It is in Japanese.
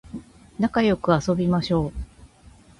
なかよく遊びましょう